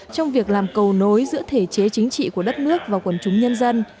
trong việc làm cầu nối giữa thể chế chính trị của đất nước và quần chúng nhân dân